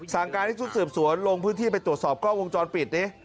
สั่งการให้ชุดสืบสวนลงพื้นที่ไปตรวจสอบกล้องวงจรปิดดิ